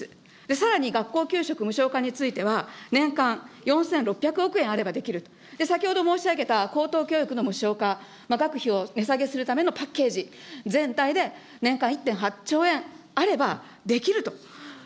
さらに、学校給食無償化については、年間４６００億円あればできる、先ほど申し上げた高等教育の無償化、学費を値下げするためのパッケージ、全体で年間１．８兆円あればできると。